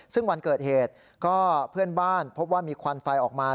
ซึ่งวันเกิดเหตุก็เพื่อนบ้านพบว่ามีควันไฟออกมา